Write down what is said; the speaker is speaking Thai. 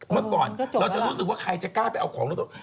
เมื่อก่อนเราจะรู้สึกว่าใครจะกล้าไปเอาของรถ